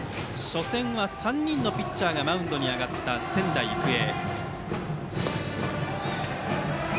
初戦は３人のピッチャーがマウンドに上がった仙台育英。